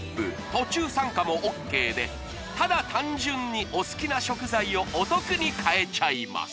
途中参加もＯＫでただ単純にお好きな食材をお得に買えちゃいます！